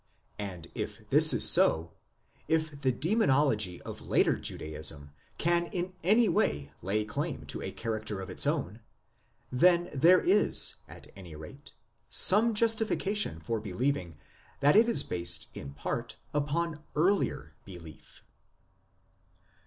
And if this is so, if the demonology of later Judaism can in any way lay claim to a character of its own, then there is, at any rate, some justification for believing that it is based in part upon earlier belief.